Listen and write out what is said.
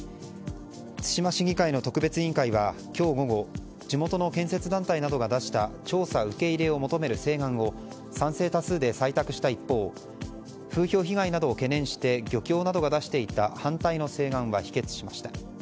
対馬市議会の特別委員会は今日午後地元の建設団体などが出した調査受け入れを求める請願を賛成多数で採択した一方風評被害などを懸念して漁協などが出していた反対の請願は否決しました。